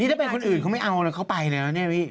นี่ถ้าเป็นคนอื่นก็ไม่เอาอะไรเข้าไปเลยครับนี่